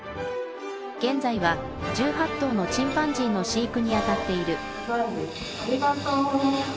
現在は１８頭のチンパンジーの飼育にあたっている。